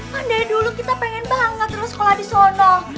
pandai dulu kita pengen banget lo sekolah di sono